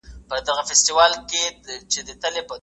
الله تعالی د قرآن کريم نور هم ستاينه وکړه.